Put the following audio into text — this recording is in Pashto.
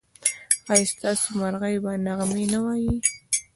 ایا ستاسو مرغۍ به نغمې نه وايي؟